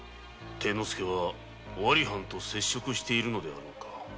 貞之介は尾張藩と接触しているのであろうか？